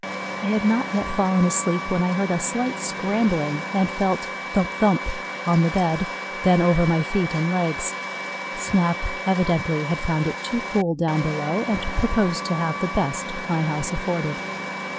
I had not yet fallen asleep when I heard a slight scrambling and felt "thump thump" on the bed, then over my feet and legs; Snap evidently had found it too cool down below, and proposed to have the best my house afforded.